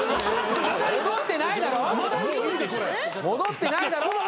戻ってないだろ！